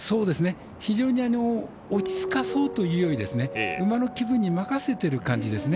非常に落ち着かそうというより馬の気分に任せている感じですね。